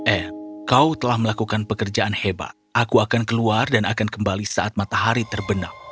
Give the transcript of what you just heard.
anne kau telah melakukan pekerjaan hebat aku akan keluar dan akan kembali saat matahari terbenam